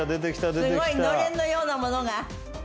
すごいのれんのようなものが。